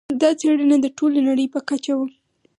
دا څېړنه د ټولې نړۍ په کچه وه.